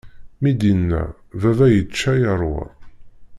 Mi d-inna, baba yečča yeṛwa.